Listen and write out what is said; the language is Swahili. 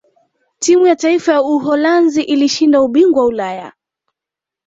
timu ya taifa ya uholanzi ilishinda ubingwa wa ulaya